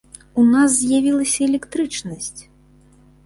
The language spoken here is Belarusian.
У нас з'явілася электрычнасць!